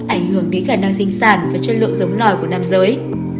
ảnh hưởng đến khả năng sinh sản và chất lượng giống lòi của nam giới